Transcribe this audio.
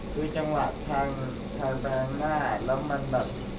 คือจังหวะทางแปลงหน้าแล้วมันแบบ